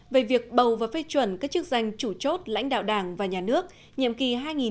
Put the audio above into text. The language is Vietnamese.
về việc bầu và phê chuẩn các chức danh chủ chốt lãnh đạo đảng và nhà nước nhậm kỳ hai nghìn một mươi sáu hai nghìn hai mươi một